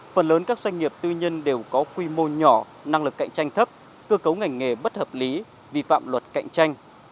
phần lớn các doanh nghiệp tư nhân đều có quy mô nhỏ năng lực cạnh tranh thấp cơ cấu ngành nghề bất hợp lý vi phạm luật cạnh tranh